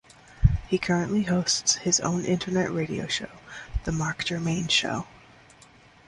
He currently hosts his own internet radio show, "The Marc Germain Show".